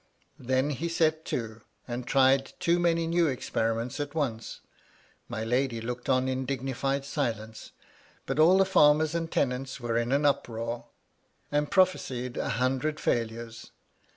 Then he set to, and tried too many new experiments at once. My lady looked on in dignified silence; hut all the farmers and tenants were in an uproar, and prophesied a hundred failures.